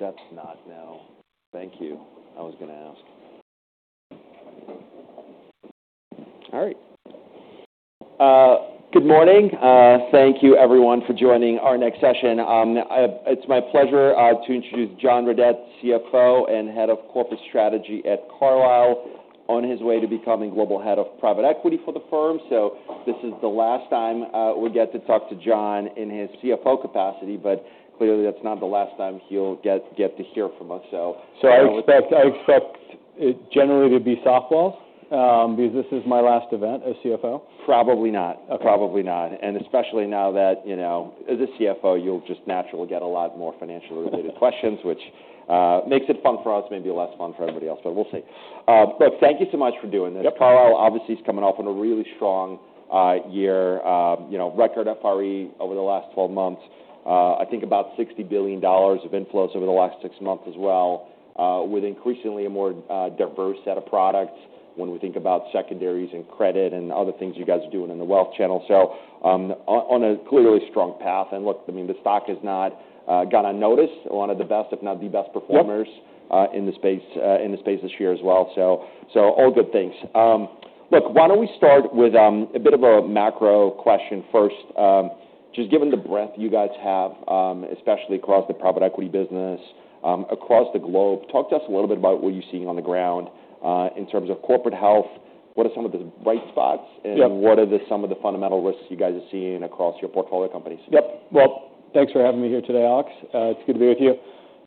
That's not. No. Thank you. I was going to ask. All right. Good morning. Thank you, everyone, for joining our next session. It's my pleasure to introduce John Redett, CFO and Head of Corporate Strategy at Carlyle, on his way to becoming Global Head of Private Equity for the firm. So this is the last time we get to talk to John in his CFO capacity, but clearly that's not the last time he'll get to hear from us, so. So I expect it generally to be softball because this is my last event as CFO. Probably not. Probably not, and especially now that as a CFO, you'll just naturally get a lot more financial-related questions, which makes it fun for us, maybe less fun for everybody else, but we'll see, look, thank you so much for doing this. Carlyle, obviously, is coming off on a really strong year, record FRE over the last 12 months. I think about $60 billion of inflows over the last six months as well, with increasingly a more diverse set of products when we think about secondaries and credit and other things you guys are doing in the wealth channel, so on a clearly strong path, and look, I mean, the stock has not gone unnoticed. One of the best, if not the best performers in the space this year as well, so all good things. Look, why don't we start with a bit of a macro question first? Just given the breadth you guys have, especially across the private equity business, across the globe, talk to us a little bit about what you're seeing on the ground in terms of corporate health. What are some of the bright spots, and what are some of the fundamental risks you guys are seeing across your portfolio companies? Yep. Well, thanks for having me here today, Alex. It's good to be with you,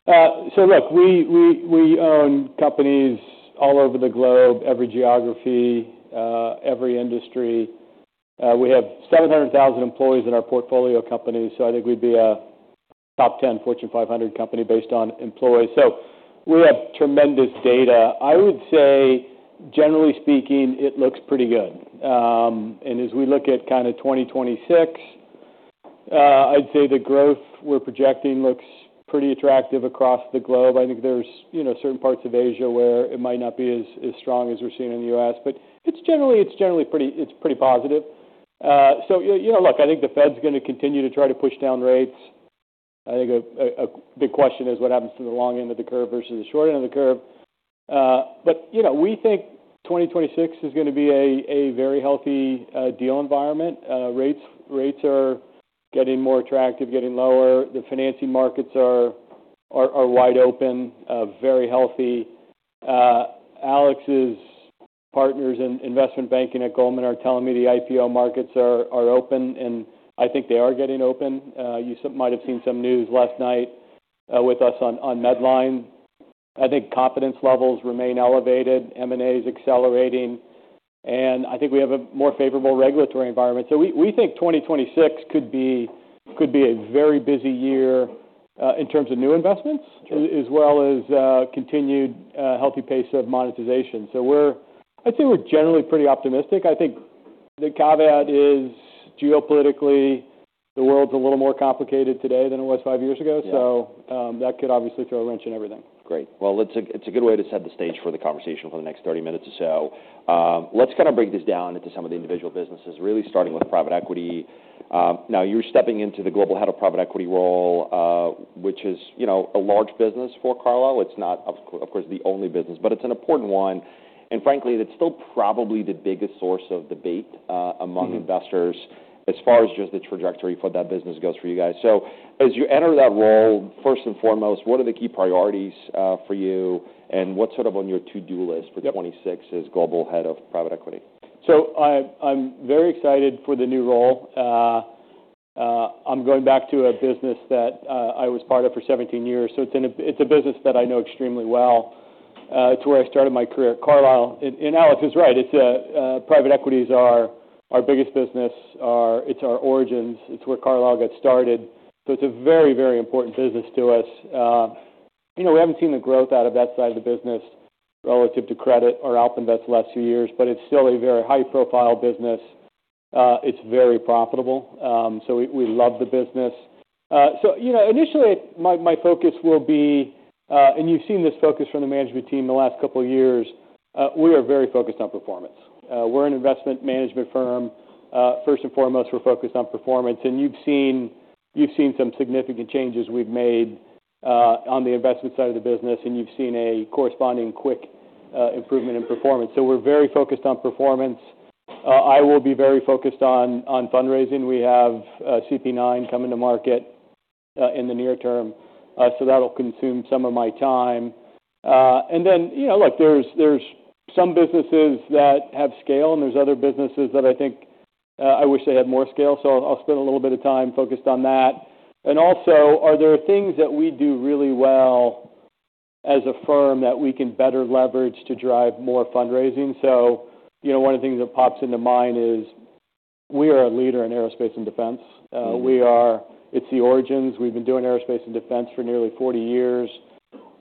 so look, we own companies all over the globe, every geography, every industry. We have 700,000 employees in our portfolio companies, so I think we'd be a top 10 Fortune 500 company based on employees. So we have tremendous data. I would say, generally speaking, it looks pretty good, and as we look at kind of 2026, I'd say the growth we're projecting looks pretty attractive across the globe. I think there's certain parts of Asia where it might not be as strong as we're seeing in the U.S., but generally, it's pretty positive, so look, I think the Fed's going to continue to try to push down rates. I think a big question is what happens to the long end of the curve versus the short end of the curve. But we think 2026 is going to be a very healthy deal environment. Rates are getting more attractive, getting lower. The financing markets are wide open, very healthy. Alex's partners in investment banking at Goldman are telling me the IPO markets are open, and I think they are getting open. You might have seen some news last night with us on Medline. I think confidence levels remain elevated. M&A is accelerating, and I think we have a more favorable regulatory environment, so we think 2026 could be a very busy year in terms of new investments as well as continued healthy pace of monetization, so I'd say we're generally pretty optimistic. I think the caveat is geopolitically, the world's a little more complicated today than it was five years ago, so that could obviously throw a wrench in everything. Great. Well, it's a good way to set the stage for the conversation for the next 30 minutes or so. Let's kind of break this down into some of the individual businesses, really starting with private equity. Now, you're stepping into the global head of private equity role, which is a large business for Carlyle. It's not, of course, the only business, but it's an important one. And frankly, it's still probably the biggest source of debate among investors as far as just the trajectory for that business goes for you guys. So as you enter that role, first and foremost, what are the key priorities for you, and what's sort of on your to-do list for 2026 as global head of private equity? So I'm very excited for the new role. I'm going back to a business that I was part of for 17 years. So it's a business that I know extremely well. It's where I started my career. And Alex is right. Private equity is our biggest business. It's our origins. It's where Carlyle got started. So it's a very, very important business to us. We haven't seen the growth out of that side of the business relative to credit or AlpInvest's last few years, but it's still a very high-profile business. It's very profitable. So we love the business. So initially, my focus will be, and you've seen this focus from the management team the last couple of years, we are very focused on performance. We're an investment management firm. First and foremost, we're focused on performance. And you've seen some significant changes we've made on the investment side of the business, and you've seen a corresponding quick improvement in performance. So we're very focused on performance. I will be very focused on fundraising. We have CP9 coming to market in the near term. So that'll consume some of my time. And then, look, there's some businesses that have scale, and there's other businesses that I think I wish they had more scale. So I'll spend a little bit of time focused on that. And also, are there things that we do really well as a firm that we can better leverage to drive more fundraising? So one of the things that pops into mind is we are a leader in aerospace and defense. It's the origins. We've been doing aerospace and defense for nearly 40 years.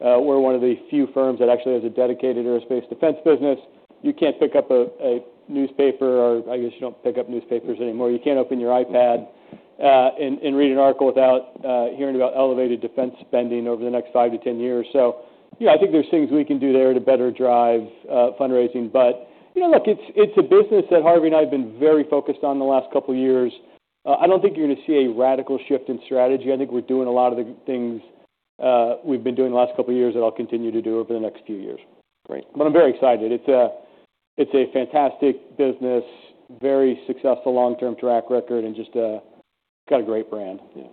We're one of the few firms that actually has a dedicated aerospace defense business. You can't pick up a newspaper, or I guess you don't pick up newspapers anymore. You can't open your iPad and read an article without hearing about elevated defense spending over the next 5years - 10 years. So I think there's things we can do there to better drive fundraising. But look, it's a business that Harvey and I have been very focused on the last couple of years. I don't think you're going to see a radical shift in strategy. I think we're doing a lot of the things we've been doing the last couple of years that I'll continue to do over the next few years. But I'm very excited. It's a fantastic business, very successful long-term track record, and just got a great brand. Yeah.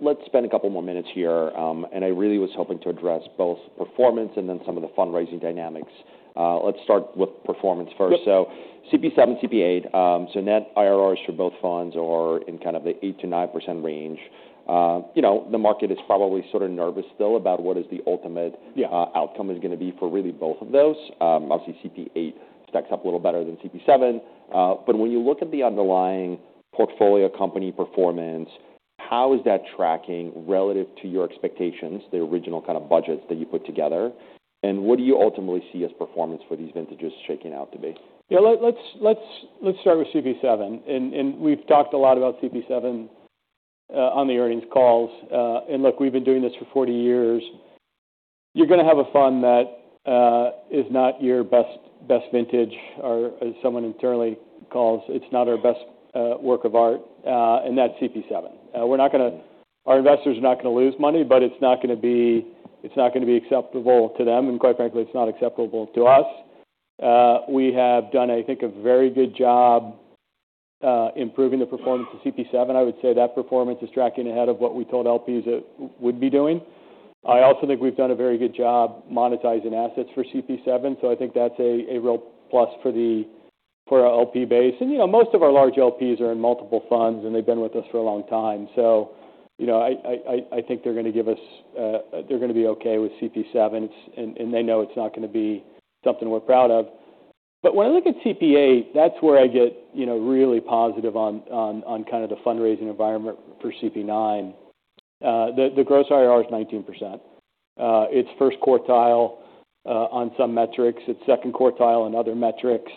Let's spend a couple more minutes here. And I really was hoping to address both performance and then some of the fundraising dynamics. Let's start with performance first. So CP7, CP8, so net IRRs for both funds are in kind of the 8%-9% range. The market is probably sort of nervous still about what the ultimate outcome is going to be for really both of those. Obviously, CP8 stacks up a little better than CP7. But when you look at the underlying portfolio company performance, how is that tracking relative to your expectations, the original kind of budgets that you put together? And what do you ultimately see as performance for these vintages shaking out to be? Yeah. Let's start with CP7. And we've talked a lot about CP7 on the earnings calls. And look, we've been doing this for 40 years. You're going to have a fund that is not your best vintage or, as someone internally calls, it's not our best work of art, and that's CP7. Our investors are not going to lose money, but it's not going to be acceptable to them. And quite frankly, it's not acceptable to us. We have done, I think, a very good job improving the performance of CP7. I would say that performance is tracking ahead of what we told LPs that would be doing. I also think we've done a very good job monetizing assets for CP7. So I think that's a real plus for our LP base. And most of our large LPs are in multiple funds, and they've been with us for a long time. So I think they're going to be okay with CP7, and they know it's not going to be something we're proud of. But when I look at CP8, that's where I get really positive on kind of the fundraising environment for CP9. The gross IRR is 19%. It's first quartile on some metrics. It's second quartile on other metrics.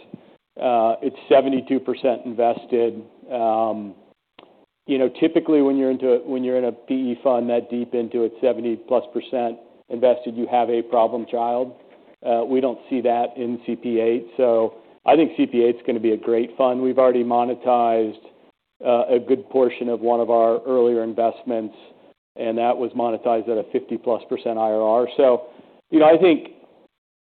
It's 72% invested. Typically, when you're in a PE fund that deep into it, 70%+ invested, you have a problem child. We don't see that in CP8. So I think CP8 is going to be a great fund. We've already monetized a good portion of one of our earlier investments, and that was monetized at a 50%+ IRR. So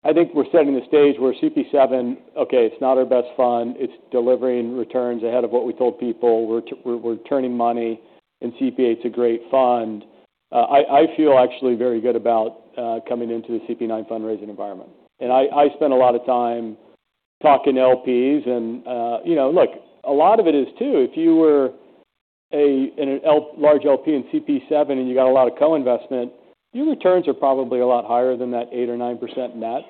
I think we're setting the stage where CP7, okay, it's not our best fund. It's delivering returns ahead of what we told people. We're turning money, and CP8 is a great fund. I feel actually very good about coming into the CP9 fundraising environment. And I spend a lot of time talking to LPs. And look, a lot of it is too. If you were a large LP in CP7 and you got a lot of co-investment, your returns are probably a lot higher than that 8% or 9% net.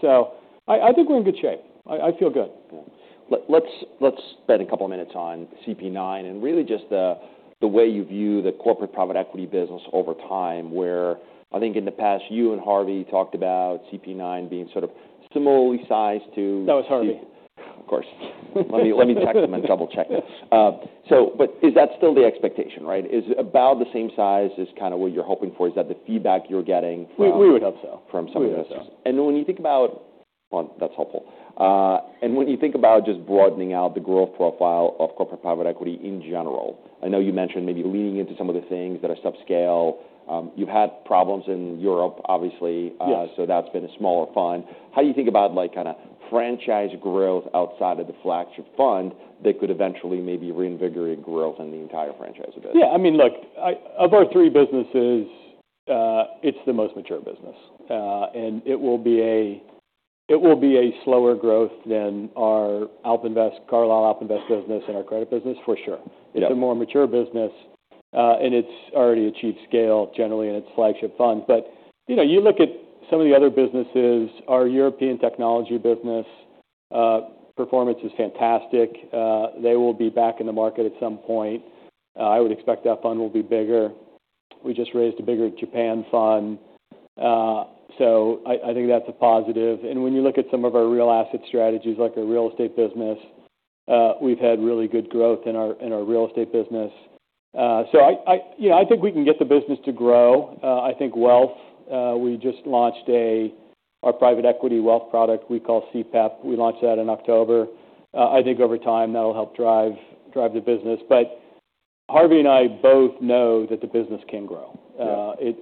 So I think we're in good shape. I feel good. Yeah. Let's spend a couple of minutes on CP9 and really just the way you view the corporate private equity business over time, where I think in the past, you and Harvey talked about CP9 being sort of similarly sized to. That was Harvey. Of course. Let me text them and double-check. But is that still the expectation, right? Is it about the same size as kind of what you're hoping for? Is that the feedback you're getting from? We would hope so. Some of your investors? And when you think about, well, that's helpful, and when you think about just broadening out the growth profile of corporate private equity in general, I know you mentioned maybe leaning into some of the things that are subscale. You've had problems in Europe, obviously, so that's been a smaller fund. How do you think about kind of franchise growth outside of the flagship fund that could eventually maybe reinvigorate growth in the entire franchise business? Yeah. I mean, look, of our three businesses, it's the most mature business. And it will be a slower growth than our Carlyle AlpInvest business and our credit business, for sure. It's a more mature business, and it's already achieved scale generally in its flagship fund. But you look at some of the other businesses, our European technology business, performance is fantastic. They will be back in the market at some point. I would expect that fund will be bigger. We just raised a bigger Japan fund. So I think that's a positive. And when you look at some of our real asset strategies, like our real estate business, we've had really good growth in our real estate business. So I think we can get the business to grow. I think wealth, we just launched our private equity wealth product we call CPEP. We launched that in October. I think over time, that'll help drive the business. But Harvey and I both know that the business can grow.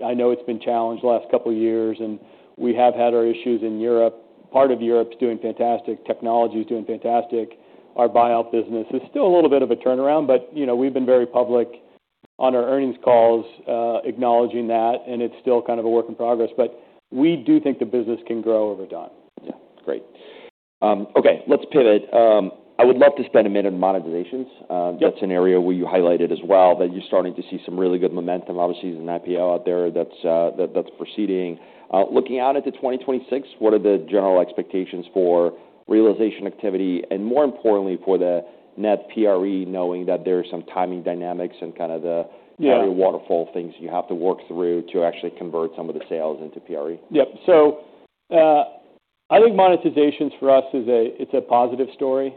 I know it's been challenged the last couple of years, and we have had our issues in Europe. Part of Europe is doing fantastic. Technology is doing fantastic. Our buyout business is still a little bit of a turnaround, but we've been very public on our earnings calls acknowledging that, and it's still kind of a work in progress. But we do think the business can grow over time. Yeah. Great. Okay. Let's pivot. I would love to spend a minute on monetizations. That's an area where you highlighted as well that you're starting to see some really good momentum. Obviously, there's an IPO out there that's proceeding. Looking out into 2026, what are the general expectations for realization activity and, more importantly, for the net PRE, knowing that there are some timing dynamics and kind of the waterfall things you have to work through to actually convert some of the sales into PRE? Yep, so I think monetization for us, it's a positive story.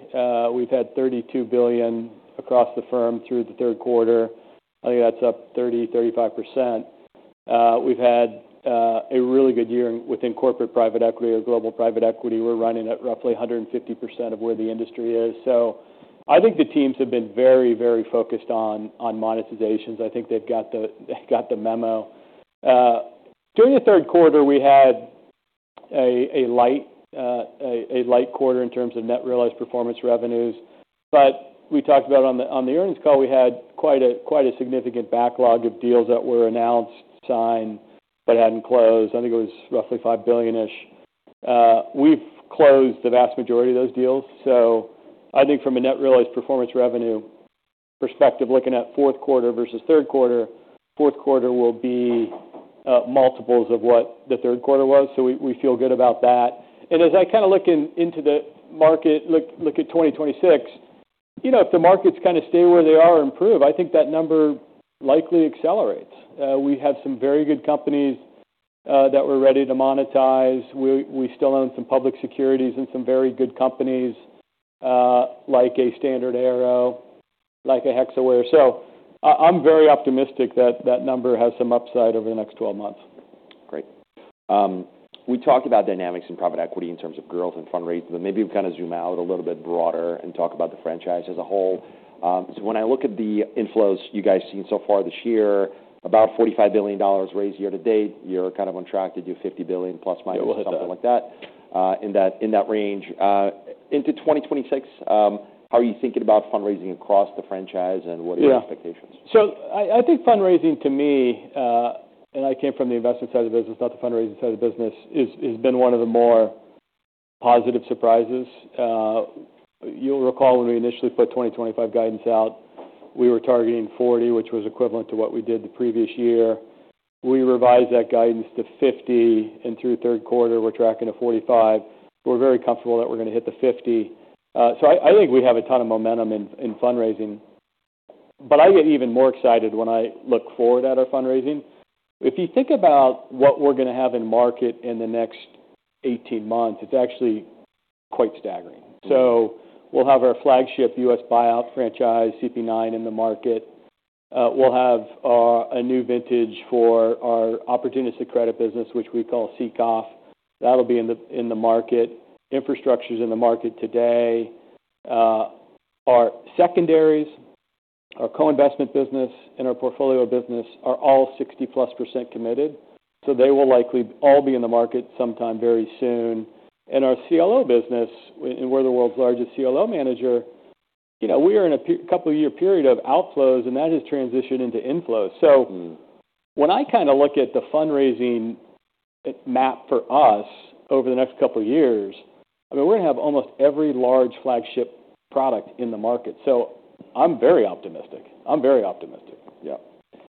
We've had $32 billion across the firm through the third quarter. I think that's up 30%-35%. We've had a really good year within corporate private equity or global private equity. We're running at roughly 150% of where the industry is, so I think the teams have been very, very focused on monetizations. I think they've got the memo. During the third quarter, we had a light quarter in terms of net realized performance revenues. But we talked about on the earnings call, we had quite a significant backlog of deals that were announced, signed, but hadn't closed. I think it was roughly $5 billion-ish. We've closed the vast majority of those deals. So I think from a net realized performance revenue perspective, looking at fourth quarter versus third quarter, fourth quarter will be multiples of what the third quarter was. So we feel good about that. And as I kind of look into the market, look at 2026, if the markets kind of stay where they are and improve, I think that number likely accelerates. We have some very good companies that we're ready to monetize. We still own some public securities and some very good companies like a StandardAero, like a Hexaware. So I'm very optimistic that that number has some upside over the next 12 months. Great. We talked about dynamics in private equity in terms of growth and fundraising, but maybe we kind of zoom out a little bit broader and talk about the franchise as a whole. So when I look at the inflows you guys seen so far this year, about $45 billion raised year to date. You're kind of on track to do $50 billion plus minus something like that in that range. Into 2026, how are you thinking about fundraising across the franchise and what are your expectations? Yeah. So I think fundraising to me, and I came from the investment side of the business, not the fundraising side of the business, has been one of the more positive surprises. You'll recall when we initially put 2025 guidance out, we were targeting 40, which was equivalent to what we did the previous year. We revised that guidance to 50, and through third quarter, we're tracking a 45. We're very comfortable that we're going to hit the 50. So I think we have a ton of momentum in fundraising. But I get even more excited when I look forward at our fundraising. If you think about what we're going to have in market in the next 18 months, it's actually quite staggering. So we'll have our flagship U.S. buyout franchise, CP9, in the market. We'll have a new vintage for our opportunistic credit business, which we call CCOF. That'll be in the market. Infrastructure is in the market today. Our secondaries, our co-investment business, and our portfolio business are all 60%+ committed, so they will likely all be in the market sometime very soon, and our CLO business, and we're the world's largest CLO manager, we are in a couple-year period of outflows, and that has transitioned into inflows, so when I kind of look at the fundraising map for us over the next couple of years, I mean, we're going to have almost every large flagship product in the market, so I'm very optimistic. I'm very optimistic. Yeah.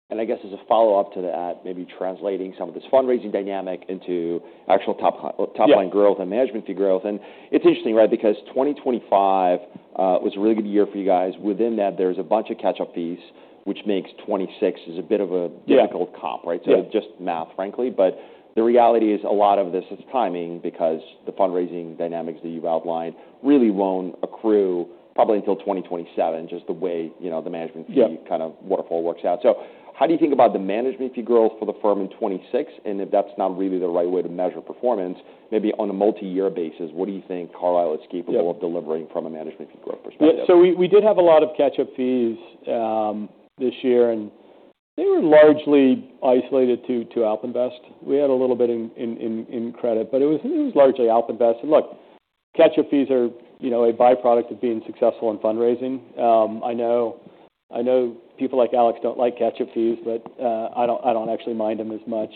And I guess as a follow-up to that, maybe translating some of this fundraising dynamic into actual top-line growth and management fee growth. And it's interesting, right, because 2025 was a really good year for you guys. Within that, there's a bunch of catch-up fees, which makes 2026 is a bit of a difficult comp, right? So just math, frankly. But the reality is a lot of this is timing because the fundraising dynamics that you've outlined really won't accrue probably until 2027, just the way the management fee kind of waterfall works out. So how do you think about the management fee growth for the firm in 2026? And if that's not really the right way to measure performance, maybe on a multi-year basis, what do you think Carlyle is capable of delivering from a management fee growth perspective? Yeah. So we did have a lot of catch-up fees this year, and they were largely isolated to AlpInvest. We had a little bit in credit, but it was largely AlpInvest. And look, catch-up fees are a byproduct of being successful in fundraising. I know people like Alex don't like catch-up fees, but I don't actually mind them as much.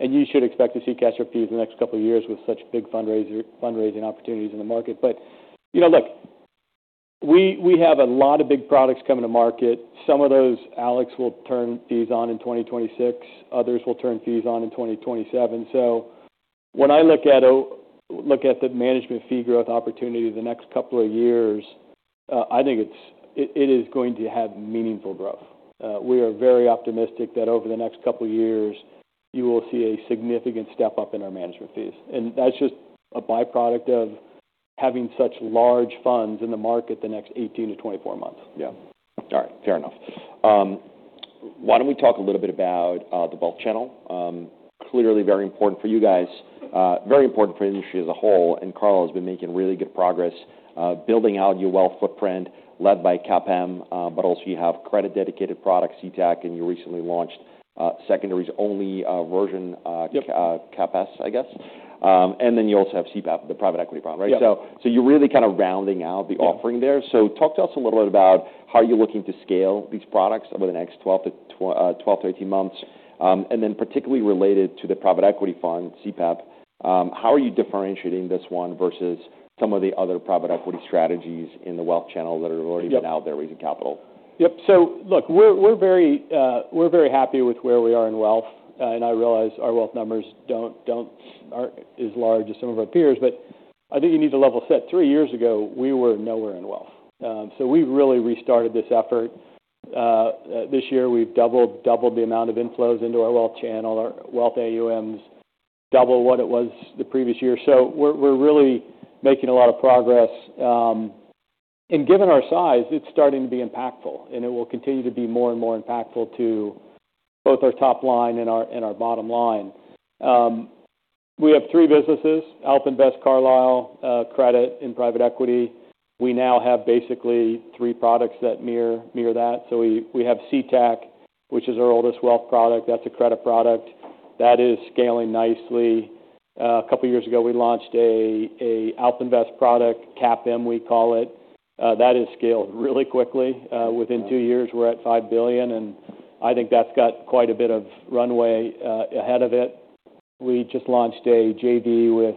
And you should expect to see catch-up fees in the next couple of years with such big fundraising opportunities in the market. But look, we have a lot of big products coming to market. Some of those, Alex will turn fees on in 2026. Others will turn fees on in 2027. So when I look at the management fee growth opportunity the next couple of years, I think it is going to have meaningful growth. We are very optimistic that over the next couple of years, you will see a significant step up in our management fees, and that's just a byproduct of having such large funds in the market the next 18 months-24 months. Yeah. All right. Fair enough. Why don't we talk a little bit about the wealth channel? Clearly very important for you guys, very important for the industry as a whole. Carlyle has been making really good progress building out your wealth footprint led by CAPM, but also you have credit-dedicated products, CTAC, and you recently launched secondaries-only version, CAPS, I guess. Then you also have CPEP, the private equity fund, right? So you're really kind of rounding out the offering there. Talk to us a little bit about how you're looking to scale these products over the next 12 months-18 months. Then particularly related to the private equity fund, CPEP, how are you differentiating this one versus some of the other private equity strategies in the wealth channel that have already been out there raising capital? Yep. So look, we're very happy with where we are in wealth, and I realize our wealth numbers aren't as large as some of our peers, but I think you need to level set. Three years ago, we were nowhere in wealth, so we've really restarted this effort. This year, we've doubled the amount of inflows into our wealth channel, our wealth AUMs, double what it was the previous year, so we're really making a lot of progress. And given our size, it's starting to be impactful, and it will continue to be more and more impactful to both our top line and our bottom line. We have three businesses: AlpInvest, Carlyle, credit, and private equity. We now have basically three products that mirror that, so we have CTAC, which is our oldest wealth product. That's a credit product. That is scaling nicely. A couple of years ago, we launched an AlpInvest product, CAPM, we call it. That has scaled really quickly. Within two years, we're at $5 billion, and I think that's got quite a bit of runway ahead of it. We just launched a JV with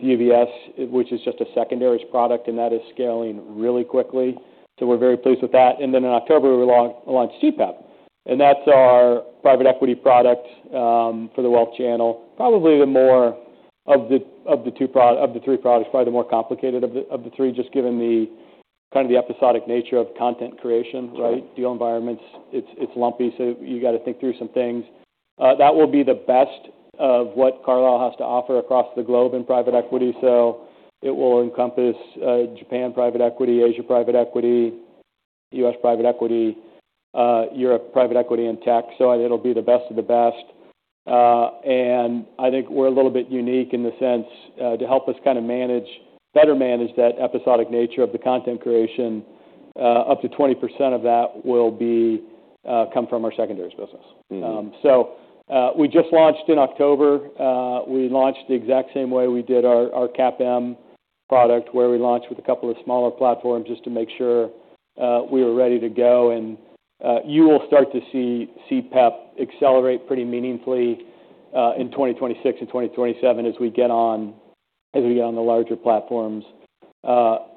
UBS, which is just a secondaries product, and that is scaling really quickly, so we're very pleased with that, and then in October, we launched CPEP, and that's our private equity product for the wealth channel. Probably the more of the three products, probably the more complicated of the three, just given kind of the episodic nature of content creation, right? Deal environments, it's lumpy, so you got to think through some things. That will be the best of what Carlyle has to offer across the globe in private equity. So it will encompass Japan private equity, Asia private equity, U.S. private equity, Europe private equity, and tech. So it'll be the best of the best. And I think we're a little bit unique in the sense to help us kind of better manage that episodic nature of the content creation. Up to 20% of that will come from our secondaries business. So we just launched in October. We launched the exact same way we did our CAPM product, where we launched with a couple of smaller platforms just to make sure we were ready to go. And you will start to see CPEP accelerate pretty meaningfully in 2026 and 2027 as we get on the larger platforms.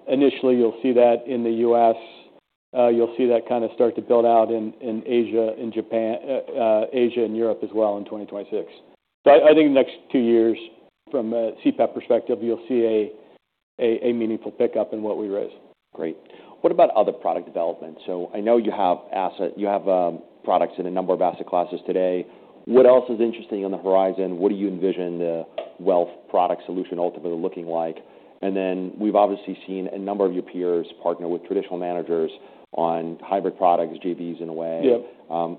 Initially, you'll see that in the U.S. You'll see that kind of start to build out in Asia and Europe as well in 2026. I think the next two years, from a CPEP perspective, you'll see a meaningful pickup in what we raise. Great. What about other product developments? So I know you have products in a number of asset classes today. What else is interesting on the horizon? What do you envision the wealth product solution ultimately looking like? And then we've obviously seen a number of your peers partner with traditional managers on hybrid products, JVs in a way.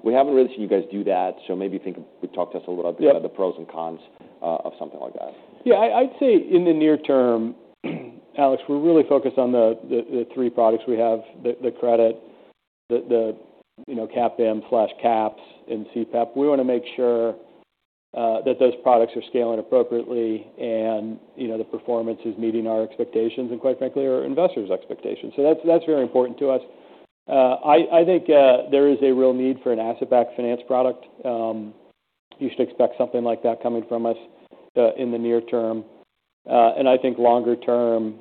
We haven't really seen you guys do that. So maybe we talk to us a little bit about the pros and cons of something like that. Yeah. I'd say in the near term, Alex, we're really focused on the three products we have: the credit, the CAPM/CAPS, and CPEP. We want to make sure that those products are scaling appropriately and the performance is meeting our expectations and, quite frankly, our investors' expectations. So that's very important to us. I think there is a real need for an asset-backed finance product. You should expect something like that coming from us in the near term. And I think longer term,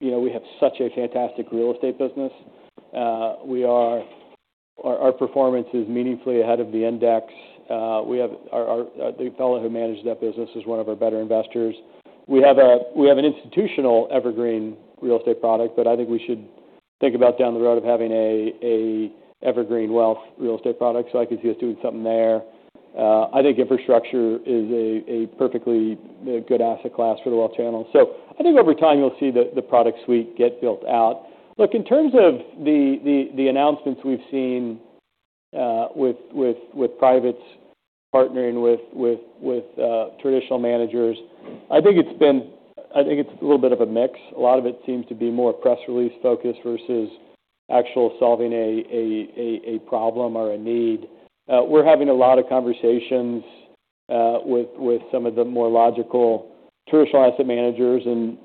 we have such a fantastic real estate business. Our performance is meaningfully ahead of the index. The fellow who manages that business is one of our better investors. We have an institutional evergreen real estate product, but I think we should think about down the road of having an evergreen wealth real estate product. So I could see us doing something there. I think infrastructure is a perfectly good asset class for the wealth channel. So I think over time, you'll see the product suite get built out. Look, in terms of the announcements we've seen with privates partnering with traditional managers, I think it's been, I think it's a little bit of a mix. A lot of it seems to be more press release focus versus actual solving a problem or a need. We're having a lot of conversations with some of the more logical traditional asset managers. And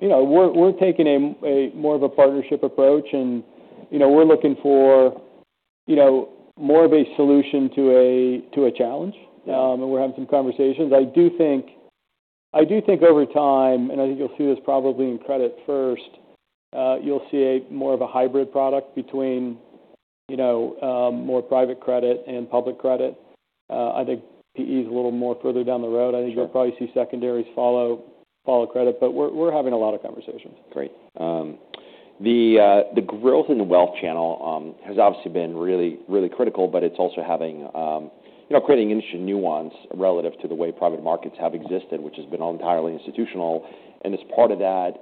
we're taking more of a partnership approach, and we're looking for more of a solution to a challenge. And we're having some conversations. I do think over time, and I think you'll see this probably in Credit First. You'll see more of a hybrid product between more private credit and public credit. I think PE is a little more further down the road. I think you'll probably see secondaries follow credit, but we're having a lot of conversations. Great. The growth in the wealth channel has obviously been really critical, but it's also creating interesting nuance relative to the way private markets have existed, which has been entirely institutional. And as part of that,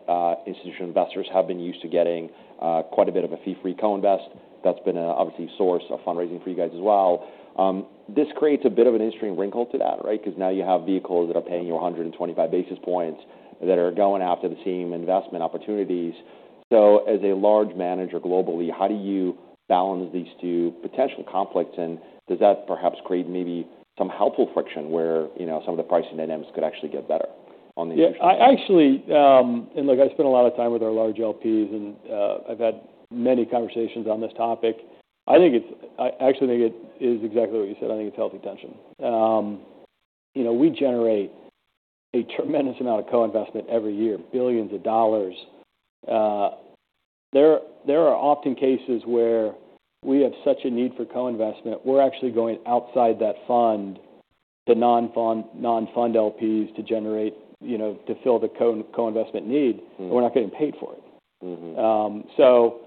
institutional investors have been used to getting quite a bit of a fee-free co-invest. That's been obviously a source of fundraising for you guys as well. This creates a bit of an interesting wrinkle to that, right? Because now you have vehicles that are paying you 125 basis points that are going after the same investment opportunities. So as a large manager globally, how do you balance these two potential conflicts? And does that perhaps create maybe some helpful friction where some of the pricing dynamics could actually get better on the institutional side? Yeah. Actually, and look, I spent a lot of time with our large LPs, and I've had many conversations on this topic. I actually think it is exactly what you said. I think it's healthy tension. We generate a tremendous amount of co-investment every year, billions of dollars. There are often cases where we have such a need for co-investment. We're actually going outside that fund to non-fund LPs to generate to fill the co-investment need, and we're not getting paid for it. So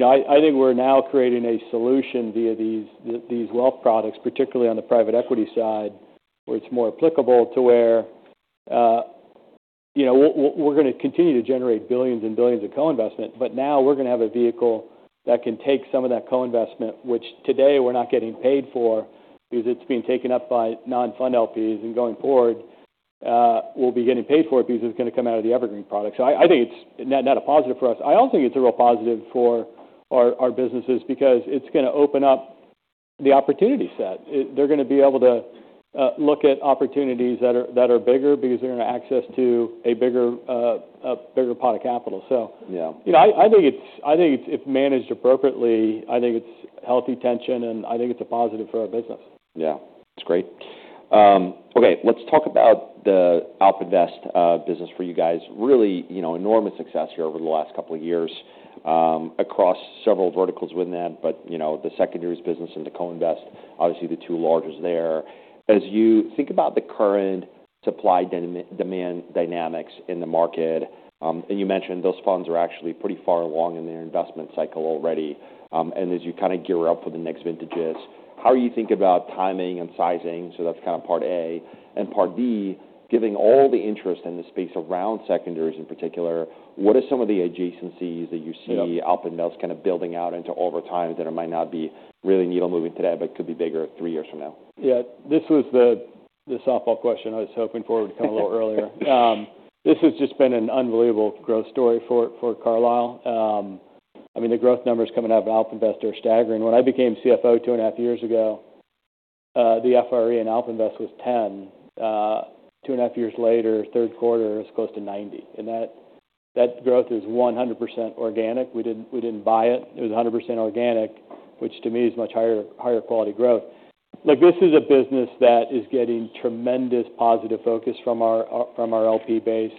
I think we're now creating a solution via these wealth products, particularly on the private equity side, where it's more applicable to where we're going to continue to generate billions and billions of co-investment, but now we're going to have a vehicle that can take some of that co-investment, which today we're not getting paid for because it's being taken up by non-fund LPs. Going forward, we'll be getting paid for it because it's going to come out of the evergreen product. I think it's not a positive for us. I also think it's a real positive for our businesses because it's going to open up the opportunity set. They're going to be able to look at opportunities that are bigger because they're going to access a bigger pot of capital. I think if managed appropriately, I think it's healthy tension, and I think it's a positive for our business. Yeah. That's great. Okay. Let's talk about the AlpInvest business for you guys. Really enormous success here over the last couple of years across several verticals within that, but the secondaries business and the co-invest, obviously the two largest there. As you think about the current supply demand dynamics in the market, and you mentioned those funds are actually pretty far along in their investment cycle already. And as you kind of gear up for the next vintages, how are you thinking about timing and sizing? So that's kind of part A. And part D, given all the interest in the space around secondaries in particular, what are some of the adjacencies that you see AlpInvest kind of building out into over time that it might not be really needle-moving today, but could be bigger three years from now? Yeah. This was the softball question I was hoping for would come a little earlier. This has just been an unbelievable growth story for Carlyle. I mean, the growth numbers coming out of AlpInvest are staggering. When I became CFO two and a half years ago, the FRE in AlpInvest was 10. Two and a half years later, third quarter, it was close to 90. And that growth is 100% organic. We didn't buy it. It was 100% organic, which to me is much higher quality growth. Look, this is a business that is getting tremendous positive focus from our LP base.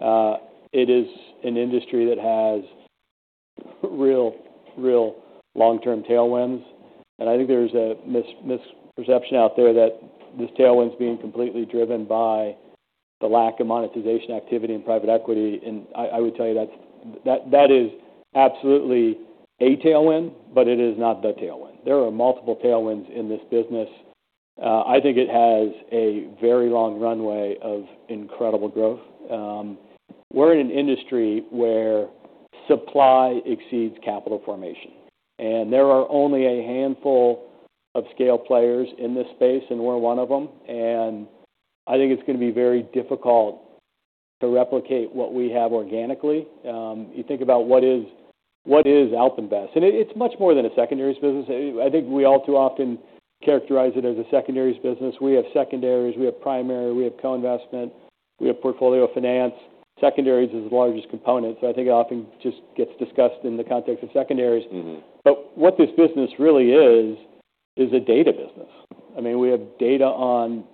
It is an industry that has real long-term tailwinds. And I think there's a misperception out there that this tailwind's being completely driven by the lack of monetization activity in private equity. I would tell you that is absolutely a tailwind, but it is not the tailwind. There are multiple tailwinds in this business. I think it has a very long runway of incredible growth. We're in an industry where supply exceeds capital formation. There are only a handful of scale players in this space, and we're one of them. I think it's going to be very difficult to replicate what we have organically. You think about what is AlpInvest, and it's much more than a secondaries business. I think we all too often characterize it as a secondaries business. We have secondaries. We have primary. We have co-investment. We have portfolio finance. Secondaries is the largest component. So I think it often just gets discussed in the context of secondaries. But what this business really is, is a data business. I mean, we have data on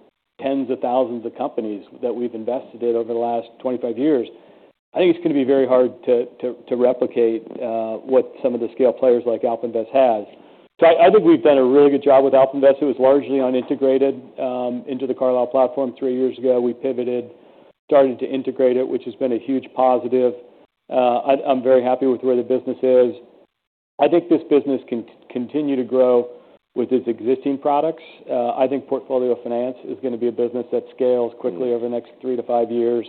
tens of thousands of companies that we've invested in over the last 25 years. I think it's going to be very hard to replicate what some of the scale players like AlpInvest has. So I think we've done a really good job with AlpInvest. It was largely unintegrated into the Carlyle platform. Three years ago, we pivoted, started to integrate it, which has been a huge positive. I'm very happy with where the business is. I think this business can continue to grow with its existing products. I think portfolio finance is going to be a business that scales quickly over the next three-to-five years.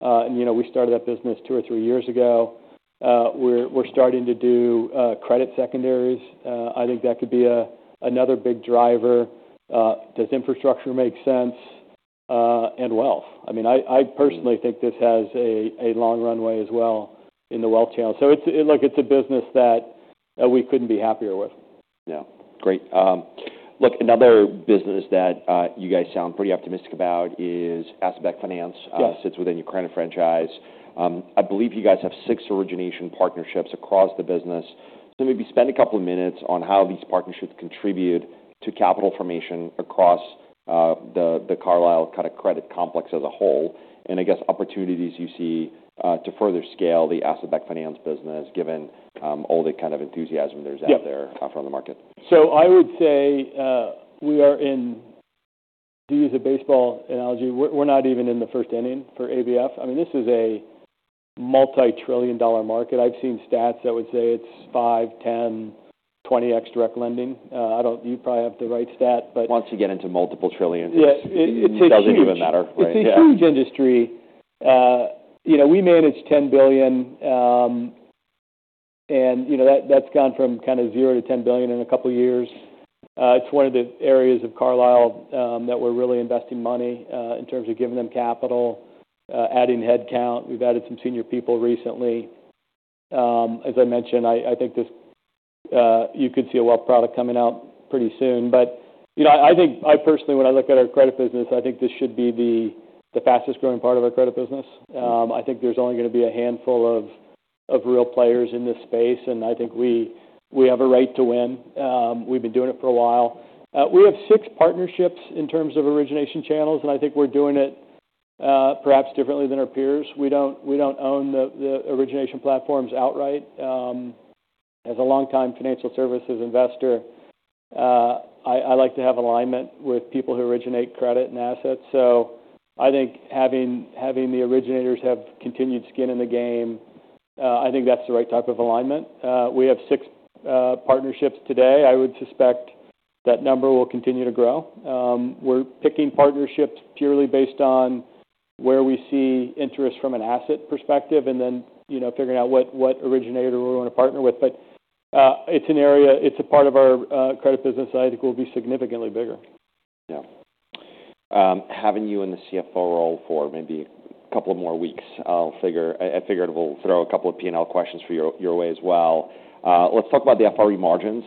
And we started that business two or three years ago. We're starting to do credit secondaries. I think that could be another big driver. Does infrastructure make sense? And wealth. I mean, I personally think this has a long runway as well in the wealth channel. So look, it's a business that we couldn't be happier with. Yeah. Great. Look, another business that you guys sound pretty optimistic about is asset-backed finance. It sits within your credit franchise. I believe you guys have six origination partnerships across the business. So maybe spend a couple of minutes on how these partnerships contribute to capital formation across the Carlyle kind of credit complex as a whole, and I guess opportunities you see to further scale the asset-backed finance business given all the kind of enthusiasm there's out there from the market. So I would say we are in, to use a baseball analogy, we're not even in the first inning for ABF. I mean, this is a multi-trillion dollar market. I've seen stats that would say it's 5, 10, 20x direct lending. You probably have the right stat, but. Once you get into multiple trillions, it doesn't even matter, right? It's a huge industry. We manage $10 billion, and that's gone from kind of $0 to $10 billion in a couple of years. It's one of the areas of Carlyle that we're really investing money in terms of giving them capital, adding headcount. We've added some senior people recently. As I mentioned, I think you could see a wealth product coming out pretty soon. But I think I personally, when I look at our credit business, I think this should be the fastest growing part of our credit business. I think there's only going to be a handful of real players in this space, and I think we have a right to win. We've been doing it for a while. We have six partnerships in terms of origination channels, and I think we're doing it perhaps differently than our peers. We don't own the origination platforms outright. As a long-time financial services investor, I like to have alignment with people who originate credit and assets. So I think having the originators have continued skin in the game, I think that's the right type of alignment. We have six partnerships today. I would suspect that number will continue to grow. We're picking partnerships purely based on where we see interest from an asset perspective and then figuring out what originator we want to partner with. But it's an area, it's a part of our credit business that I think will be significantly bigger. Yeah. Having you in the CFO role for maybe a couple of more weeks, I figured we'll throw a couple of P&L questions your way as well. Let's talk about the FRE margins.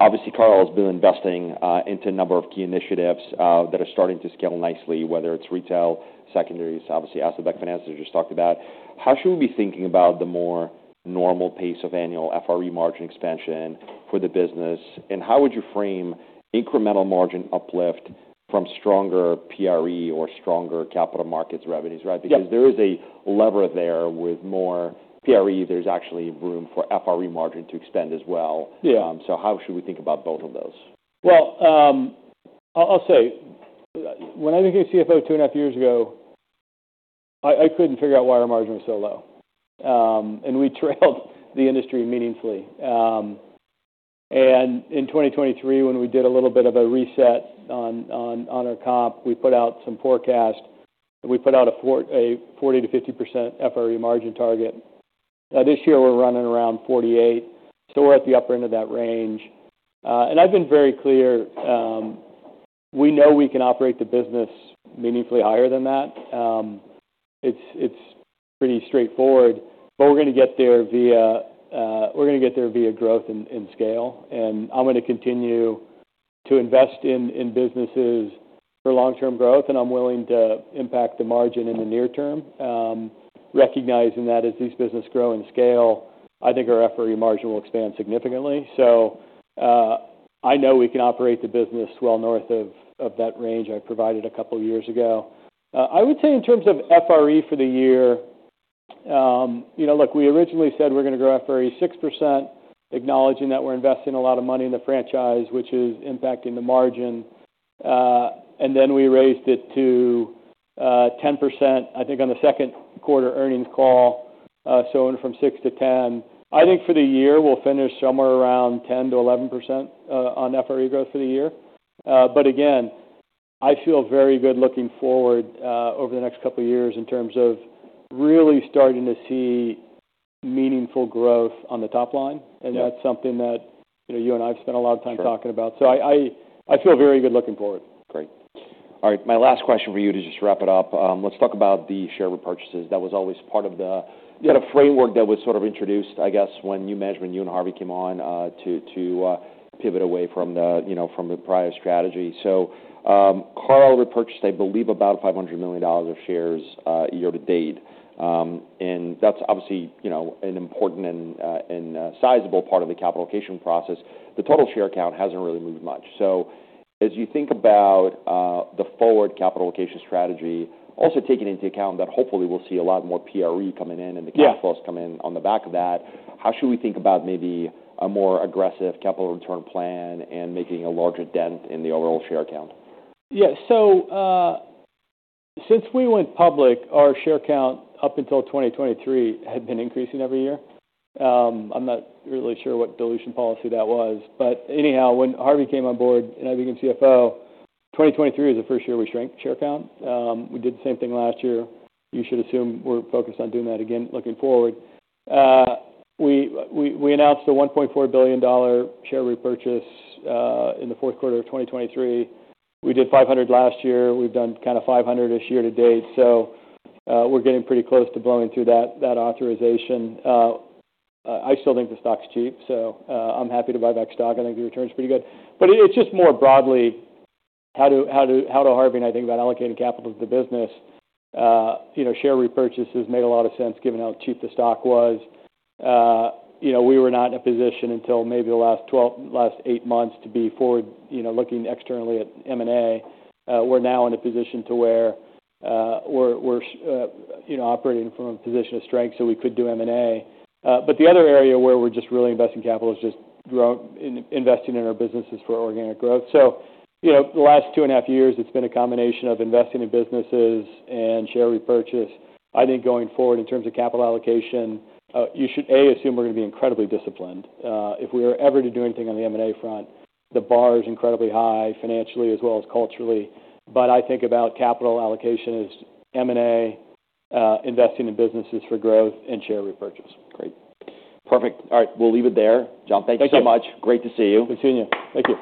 Obviously, Carlyle has been investing into a number of key initiatives that are starting to scale nicely, whether it's retail, secondaries, obviously asset-backed finance, as you just talked about. How should we be thinking about the more normal pace of annual FRE margin expansion for the business? And how would you frame incremental margin uplift from stronger PRE or stronger capital markets revenues, right? Because there is a lever there with more PRE, there's actually room for FRE margin to expand as well. So how should we think about both of those? I'll say when I became CFO two and a half years ago, I couldn't figure out why our margin was so low, and we trailed the industry meaningfully. In 2023, when we did a little bit of a reset on our comp, we put out some forecast. We put out a 40%-50% FRE margin target. Now this year, we're running around 48%. We're at the upper end of that range. I've been very clear. We know we can operate the business meaningfully higher than that. It's pretty straightforward, but we're going to get there via growth and scale. I'm going to continue to invest in businesses for long-term growth, and I'm willing to impact the margin in the near term, recognizing that as these businesses grow in scale, I think our FRE margin will expand significantly. So I know we can operate the business well north of that range I provided a couple of years ago. I would say in terms of FRE for the year, look, we originally said we're going to grow FRE 6%, acknowledging that we're investing a lot of money in the franchise, which is impacting the margin. And then we raised it to 10%, I think on the second quarter earnings call. So went from 6% to 10%. I think for the year, we'll finish somewhere around 10%-11% on FRE growth for the year. But again, I feel very good looking forward over the next couple of years in terms of really starting to see meaningful growth on the top line. And that's something that you and I have spent a lot of time talking about. So I feel very good looking forward. Great. All right. My last question for you to just wrap it up. Let's talk about the share repurchases. That was always part of the framework that was sort of introduced, I guess, when new management, you and Harvey came on to pivot away from the prior strategy. So Carlyle repurchased, I believe, about $500 million of shares year to date. And that's obviously an important and sizable part of the capital allocation process. The total share count hasn't really moved much. So as you think about the forward capital allocation strategy, also taking into account that hopefully we'll see a lot more PRE coming in and the cash flows coming in on the back of that, how should we think about maybe a more aggressive capital return plan and making a larger dent in the overall share count? Yeah. So since we went public, our share count up until 2023 had been increasing every year. I'm not really sure what dilution policy that was. But anyhow, when Harvey came on board and I became CFO, 2023 was the first year we shrank share count. We did the same thing last year. You should assume we're focused on doing that again looking forward. We announced a $1.4 billion share repurchase in the fourth quarter of 2023. We did $500 million last year. We've done kind of 500-ish year to date. So we're getting pretty close to blowing through that authorization. I still think the stock's cheap, so I'm happy to buy back stock. I think the return's pretty good. But it's just more broadly how do Harvey and I think about allocating capital to the business. Share repurchase has made a lot of sense given how cheap the stock was. We were not in a position until maybe the last eight months to be forward-looking externally at M&A. We're now in a position to where we're operating from a position of strength so we could do M&A. But the other area where we're just really investing capital is just investing in our businesses for organic growth. So the last two and a half years, it's been a combination of investing in businesses and share repurchase. I think going forward in terms of capital allocation, you should, A, assume we're going to be incredibly disciplined. If we are ever to do anything on the M&A front, the bar is incredibly high financially as well as culturally. But I think about capital allocation as M&A, investing in businesses for growth, and share repurchase. Great. Perfect. All right. We'll leave it there. John, thank you so much. Great to see you. Good seeing you. Thank you.